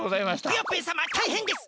クヨッペンさまたいへんです！